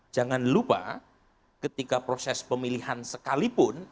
jangan lupa ketika proses pemilihan sekalipun